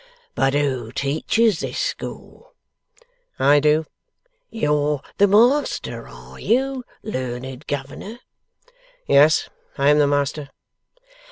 But who teaches this school?' 'I do.' 'You're the master, are you, learned governor?' 'Yes. I am the master.